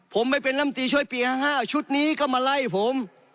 ผมไปเป็นลำตีช่วยปี๕๕ชุดนี้ก็มาไล่ผม